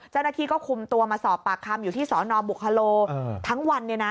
เจ้าหน้าที่ก็คุมตัวมาสอบปากคำอยู่ที่สนบุคโลทั้งวัน